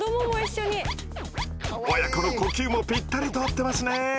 親子の呼吸もぴったりと合ってますね。